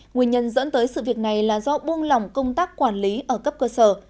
nguyên nhân dẫn tới sự việc này là do buông lỏng công tác quản lý ở cấp cơ sở